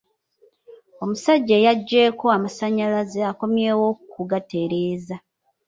Omusajja eyaggyeeko amasanyalaze akomyewo kugatereeza.